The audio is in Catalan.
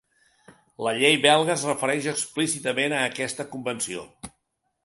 La llei belga es refereix explícitament a aquesta convenció.